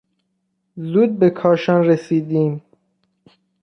زود به کاشان رسیدیم.